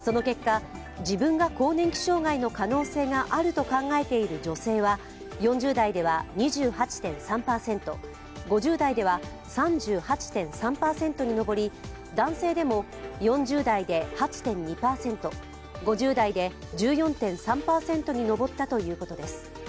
その結果、自分が更年期障害の可能性があると考えている女性は４０代では２８．３％、５０代では３８．３％に上り男性でも４０代で８．２％、５０代で１４．３％に上ったということです。